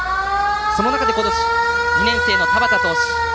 その中で２年生の田端投手。